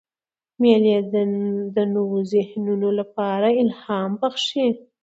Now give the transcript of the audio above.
مېلې د نوو ذهنونو له پاره الهام بخښي.